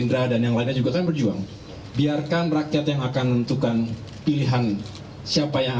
indra dan yang lainnya juga kan berjuang biarkan rakyat yang akan menentukan pilihan siapa yang